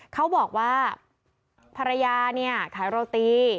เขาบอกว่าภรรยาขายโรตี